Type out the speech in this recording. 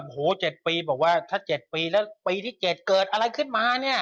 โห๗ปีถ้าเกิดอะไรขึ้นมาเนี้ย